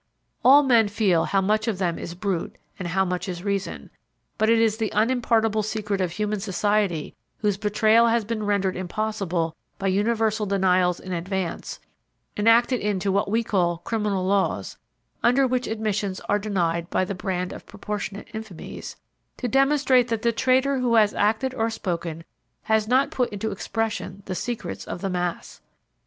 All men feel how much of them is brute and how much is reason; but it is the unimpartable secret of human society whose betrayal has been rendered impossible by universal denials in advance, enacted in to what we call criminal laws, under which admissions are denied by the brand of proportionate infamies, to demonstrate that the traitor who has acted or spoken has not put into expression the secrets of the mass.